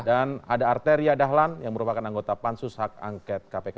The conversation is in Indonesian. dan ada arteria dahlan yang merupakan anggota pansus angkat kpk